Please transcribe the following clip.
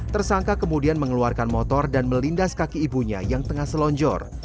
tersangka kemudian mengeluarkan motor dan melindas kaki ibunya yang tengah selonjor